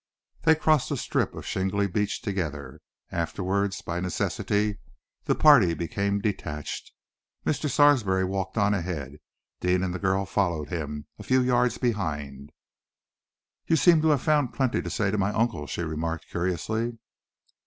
They crossed the strip of shingly beach together. Afterwards, by necessity, the party became detached. Mr. Sarsby walked on ahead. Deane and the girl followed him, a few yards behind. "You seem to have found plenty to say to my uncle," she remarked curiously.